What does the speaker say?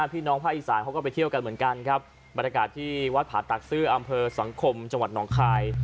พี่น้องภาคอีสานเขาก็ไปเที่ยวกันเหมือนกันครับบรรยากาศที่วัดผาตักซื่ออำเภอสังคมจังหวัดหนองคาย